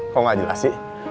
kok enggak jelas sih